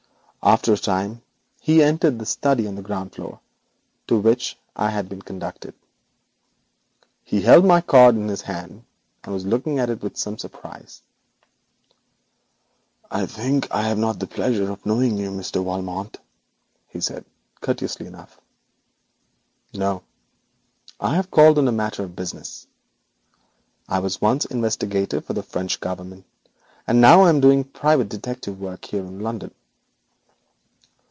After a time he entered the study on the ground floor, to which I had been conducted. He held my card in his hand, and was looking at it with some surprise. 'I think I have not the pleasure of knowing you, Monsieur Valmont,' he said, courteously enough. 'No. I ventured to call on a matter of business. I was once investigator for the French Government, and now am doing private detective work here in London.'